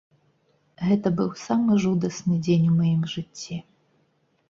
Гэта быў самы жудасны дзень у маім жыцці.